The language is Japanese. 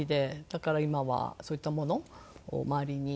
だから今はそういったものを周りに。